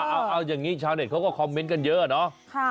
เอาอย่างนี้ชาวเน็ตเขาก็คอมเมนต์กันเยอะเนาะ